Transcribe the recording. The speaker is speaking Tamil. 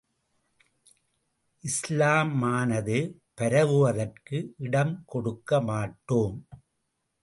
இஸ்லாமானது பரவுவதற்கு இடம் கொடுக்க மாட்டோம்.